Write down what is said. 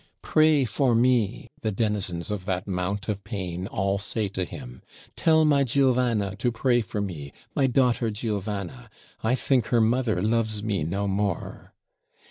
"Pray for me," the denizens of that Mount of Pain all say to him. "Tell my Giovanna to pray for me, my daughter Giovanna; I think her mother loves me no more!"